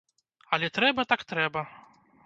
Але трэба, так трэба.